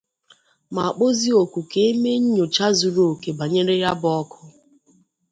ma kpọzie òkù ka e mee nnyocha zuru òkè banyere ya bụ ọkụ